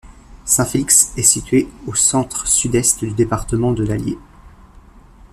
Saint-Félix est située au centre-sud-est du département de l'Allier.